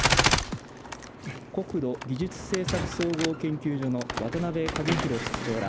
国土技術政策総合研究所の渡邉一弘室長ら